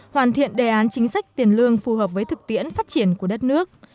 hoàn thiện đề án chính sách tiền lương phù hợp với thực tiễn phát triển của đất nước